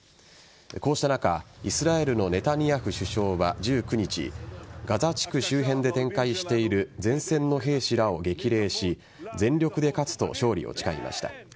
こうした中、イスラエルのネタニヤフ首相は１９日ガザ地区周辺で展開している前線の兵士らを激励し全力で勝つと勝利を誓いました。